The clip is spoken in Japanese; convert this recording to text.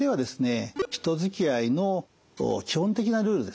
人づきあいの基本的なルールですね